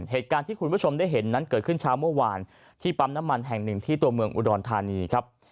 เหตุการณ์ที่คุณผู้ชมได้เห็นนั้นเกิดขึ้นเช้าเมื่อวานที่ปั๊มน้ำมันแห่งหนึ่งที่ตัวเมืองอุดรธานีครับ